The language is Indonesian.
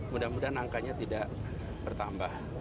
mudah mudahan angkanya tidak bertambah